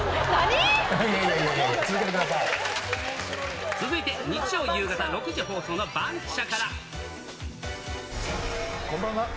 いやいやいや、続けてくださ続いて日曜夕方６時放送のバこんばんは。